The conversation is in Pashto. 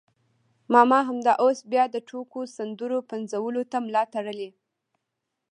ماما همدا اوس بیا د ټوکو سندرو پنځولو ته ملا تړلې.